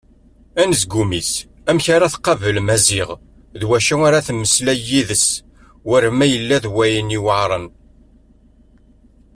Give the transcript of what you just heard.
Anezgum-is amek ara tqabel Maziɣ d wacu ara temmeslay yid-s war ma yella-d wayen yuɛren.